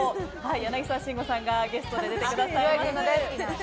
柳沢慎吾さんがゲストで出てくださいます。